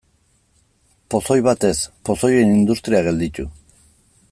Pozoi bat ez, pozoien industria gelditu.